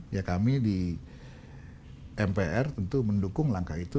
ya kami di mpr tentu mendukung langkah itu